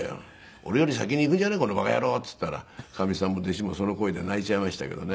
「俺より先に逝くんじゃねえこの馬鹿野郎」って言ったらかみさんも弟子もその声で泣いちゃいましたけどね